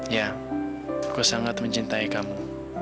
ya kau sangat mencintai kamu